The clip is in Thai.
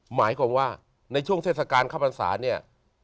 หมายความว่าในช่วงเศรษฐการณ์เข้าพรรษานี้